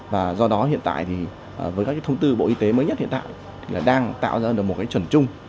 và do đó hiện tại thì với các cái thông tư bộ y tế mới nhất hiện tại là đang tạo ra được một cái chuẩn chung